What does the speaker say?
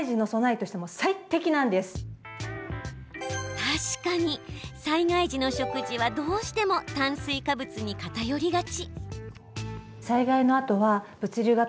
確かに、災害時の食事はどうしても炭水化物に偏りがち。